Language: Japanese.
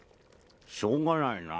しょうがないな。